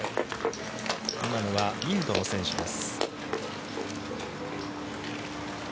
今のはインドの選手です。